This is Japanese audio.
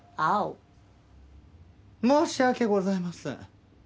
申し訳ございません。